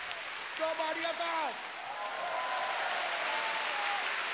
どうもありがとう！